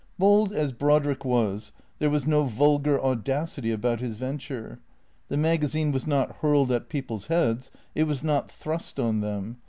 Bold as Brodrick was, there was no vulgar audacity about his venture. The magazine was not hurled at people's heads; it was not thrust on them.